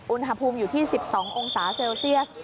อุณหภูมิอยู่ที่๑๒องศาเซลเซียส